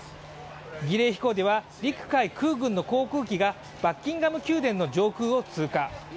儀礼飛行では陸海空軍の航空機がバッキンガム宮殿の上空を通過。